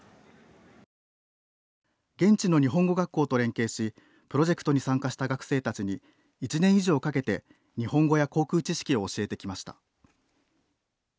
現地の日本語学校と連携しプロジェクトに参加した学生たちに１年以上かけて、日本語や航空知識を教えてきました。